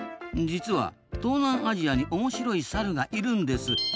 実は東南アジアに面白いサルがいるんです。